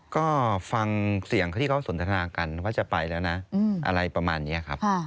ก็ฟังเสียงเขาที่เขาสนทนากันว่าจะไปแล้วนะอะไรประมาณนี้ครับ